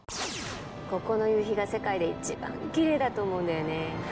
ここの夕日が世界で一番キレイだと思うんだよね